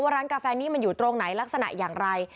ร้านกาแฟนี้มันอยู่ตรงไหนลักษณะอย่างไร